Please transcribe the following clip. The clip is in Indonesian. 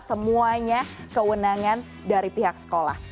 semuanya kewenangan dari pihak sekolah